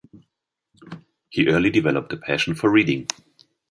He early developed a passion for reading.